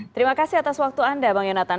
terima kasih atas waktu anda bang yonatan